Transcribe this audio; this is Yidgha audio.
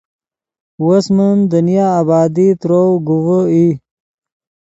وس من دنیا آبادی ترؤ گوڤے ای